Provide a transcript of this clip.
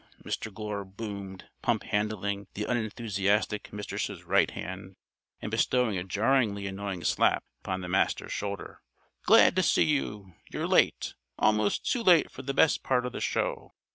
Mr. Glure boomed, pump handling the unenthusiastic Mistress' right hand and bestowing a jarringly annoying slap upon the Master's shoulder. "Glad to see you! You're late. Almost too late for the best part of the show.